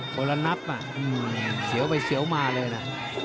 คนละนับเสียวไปเสียวมาเลยนะ